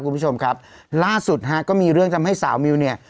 คุณผู้ชมครับล่าสุดฮะก็มีเรื่องทำให้สาวมิวเนี่ย